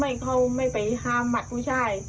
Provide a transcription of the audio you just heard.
ถ้าเขาไม่ไปห้ามหมาด้วยผู้ชาย